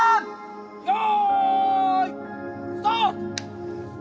よいスタート！